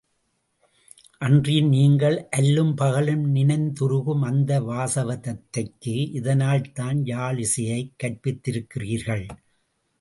அன்றியும், நீங்கள் அல்லும் பகலும் நினைந்துருகும், அந்த வாசவதத்தைக்கு இதனால்தான் யாழிசையைக் கற்பித்திருக்கிறீர்கள்!